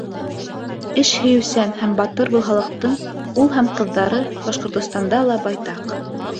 Эш һөйөүсән һәм батыр был халыҡтың ул һәм ҡыҙҙары Башҡортостанда ла байтаҡ.